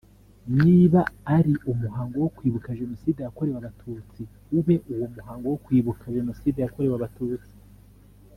niba ari umuhango wo kwibuka Jenoside yakorewe abatutsi ube uwo umuhango wo kwibuka Jenoside yakorewe abatutsi